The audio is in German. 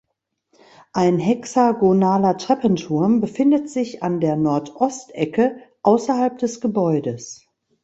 Ein hexagonaler Treppenturm befindet sich an der Nordostecke außerhalb des Gebäudes.